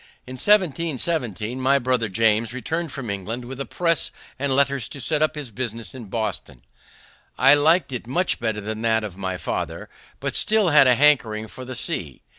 In 1717 my brother James returned from England with a press and letters to set up his business in Boston. I liked it much better than that of my father, but still had a hankering for the sea.